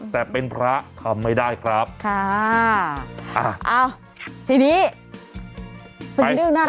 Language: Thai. แต่เป็นพระทำไม่ได้ครับค่ะอ้าวทีนี้เปลี่ยนอารมณ์